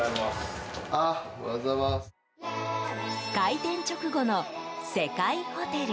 開店直後のセカイホテル。